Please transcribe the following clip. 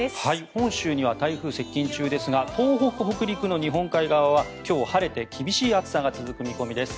本州には台風接近中ですが東北・北陸の日本海側は今日、晴れて厳しい暑さが続く見込みです。